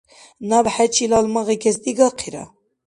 Наб хӀечил гьалмагъикес дигахъира.